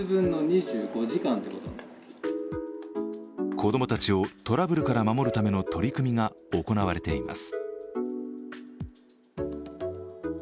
子どもたちをトラブルから守るための取り組みが行われています。